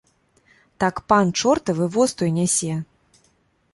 Так пан чортавы воз той нясе.